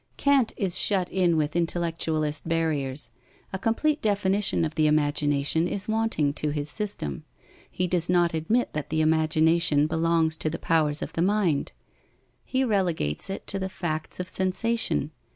Kant is shut in with intellectualist barriers. A complete definition of the imagination is wanting to his system. He does not admit that the imagination belongs to the powers of the mind. He relegates it to the facts of sensation.